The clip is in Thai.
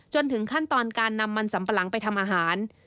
จนถึงขั้นตอนการนำมันสัมปะหลังไปทำอาหาร